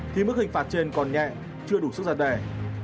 thì mức hình phạt trên còn nhẹ chưa đủ sức giặt đẻ